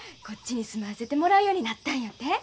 こっちに住まわせてもらうようになったんやて？